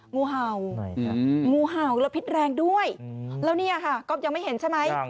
งูเห่างูเห่าแล้วพิษแรงด้วยแล้วเนี่ยค่ะก๊อฟยังไม่เห็นใช่ไหม